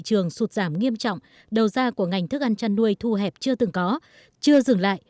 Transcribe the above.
trường sụt giảm nghiêm trọng đầu ra của ngành thức ăn chăn nuôi thu hẹp chưa từng có chưa dừng lại